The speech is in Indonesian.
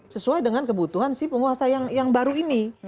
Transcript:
sesuai dengan kebutuhan si penguasa yang baru ini